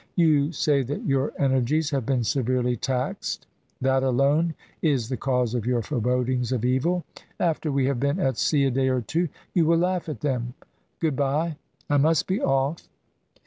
"You say that your energies have been severely taxed: that alone is the cause of your forebodings of evil. After we have been at sea a day or two you will laugh at them. Good bye, I must be off."